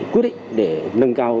quyết định để nâng cao